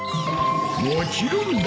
もちろんだ。